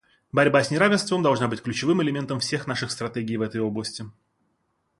Борьба с неравенством должна быть ключевым элементом всех наших стратегий в этой области.